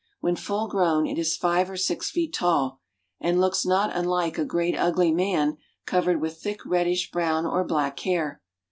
When full grown it is five or six feet tall, and looks not unlike a great ugly man covered with thick reddish brown or black hair.